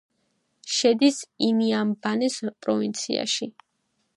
შედის ინიამბანეს პროვინციაში.